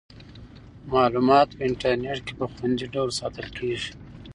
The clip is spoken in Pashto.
معلومات په انټرنیټ کې په خوندي ډول ساتل کیږي.